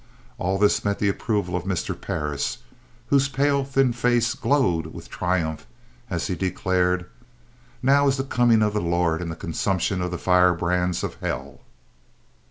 All this met the approval of Mr. Parris, whose pale, thin face glowed with triumph as he declared: "Now is the coming of the Lord, and the consumption of the fire brands of hell."